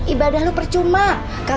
ibadah lu percuma